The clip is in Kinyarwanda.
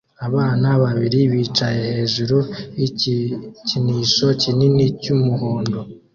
Abana babiri bicaye hejuru yikinisho kinini cyumuhondo